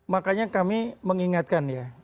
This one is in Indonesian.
makanya kami mengingatkan ya